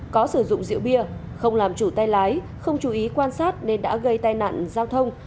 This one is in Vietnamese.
có sử dụng rượu bia không làm chủ tay lái không chú ý quan sát nên đã gây tai nạn giao thông